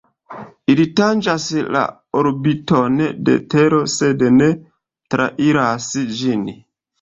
Ili tanĝas la orbiton de Tero sed ne trairas ĝin.